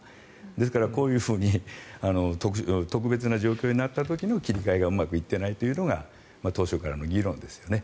ですからこういうふうに特別な状況になった時の切り替えがうまくいっていないのが当初からの議論ですよね。